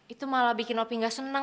itu malah bikin opi gak senang